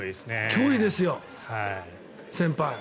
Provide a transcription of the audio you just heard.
脅威ですよ、先輩。